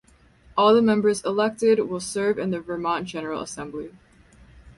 All the members elected will serve in the Vermont General Assembly.